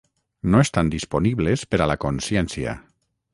no estan disponibles per a la consciència